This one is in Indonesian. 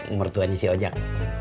manis teti mertuan isi ojek